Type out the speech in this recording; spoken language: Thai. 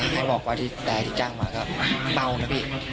ให้บอกว่าที่แต่ที่จ้างมาก็เมานะพี่